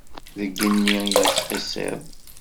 Deg igenni i la tettqissiḍ.